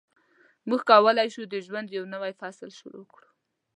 موږ کولای شو د ژوند یو نوی فصل شروع کړو.